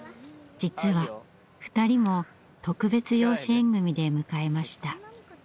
実は２人も特別養子縁組で迎えました。